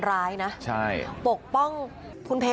สวัสดีครับทุกคน